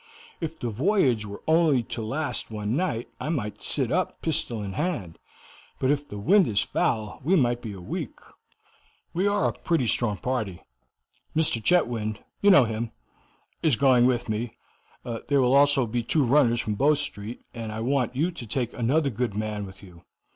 If the voyage were only to last one night I might sit up, pistol in hand, but if the wind is foul we might be a week. We are a pretty strong party. Mr. Chetwynd you know him is going with me; there will also be two runners from Bow Street, and I want you to take another good man with you.